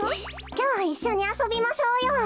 きょういっしょにあそびましょうよ。